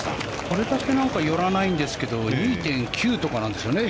これだけ寄らないんですけど２．９とかなんですよね。